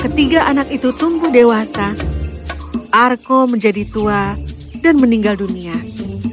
semoga rian dan rodney tersenyuman bersama dan akan selalu membawanya selama gakit tahun